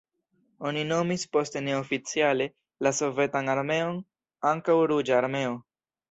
Oni nomis poste neoficiale la Sovetan Armeon ankaŭ Ruĝa Armeo.